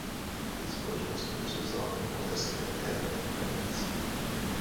Ty společnosti převzala od mateřské Air France.